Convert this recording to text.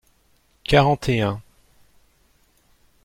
Quarante et un.